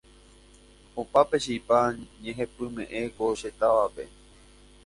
opa pe chipa ñehepyme'ẽ ko che távape